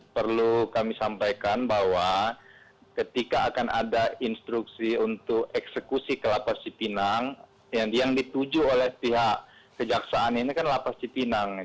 perlu kami sampaikan bahwa ketika akan ada instruksi untuk eksekusi ke lapas cipinang yang dituju oleh pihak kejaksaan ini kan lapas cipinang